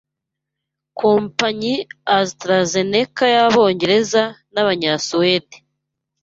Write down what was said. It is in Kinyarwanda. Kompanyi AstraZeneca y'Abongereza n'Abanya- Suède